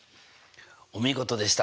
お見事でした。